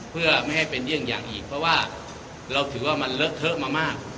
เพื่อไม่ให้เป็นเยี่ยงอย่างอีกเพราะว่าเราถือว่ามันเลอะเทอะมามาก